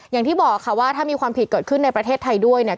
อย่างที่บอกค่ะว่าถ้ามีความผิดเกิดขึ้นในประเทศไทยด้วยเนี่ย